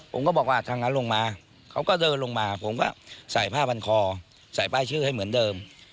ผมก็บอกว่าถ้างั้นลงมาเขาก็เดินลงมาผมก็ใส่ผ้าพันคอใส่ป้ายชื่อให้เหมือนเดิม